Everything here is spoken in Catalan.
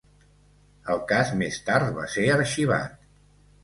El cas més tard va ser arxivat.